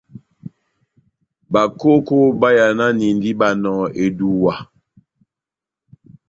Bakoko bayananindi Banɔhɔ eduwa.